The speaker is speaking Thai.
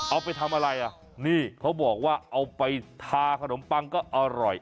เอาไปทำอะไรอ่ะนี่เขาบอกว่าเอาไปทาขนมปังก็อร่อย